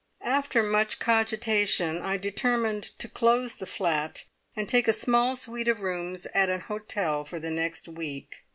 After much cogitation I determined to close the flat, and take a small suite of rooms at an hotel for the next week.